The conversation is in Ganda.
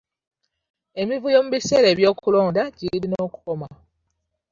Emivuyo mu biseera by'okulonda girina okukoma.